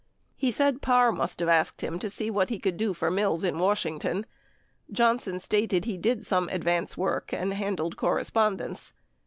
He said Parr must have asked him to see what he could do for Mills in Washington. Johnson stated he did some advance work and handled correspondence.